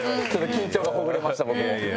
緊張がほぐれました僕も。